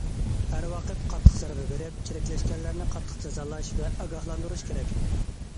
ھەر ۋاقىت قاتتىق زەربە بېرىپ، چىرىكلەشكەنلەرنى قاتتىق جازالاش ۋە ئاگاھلاندۇرۇش كېرەك.